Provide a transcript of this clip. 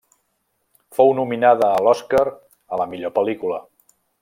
Fou nominada a l'Oscar a la millor pel·lícula.